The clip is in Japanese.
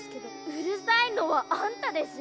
うるさいのはあんたでしょ。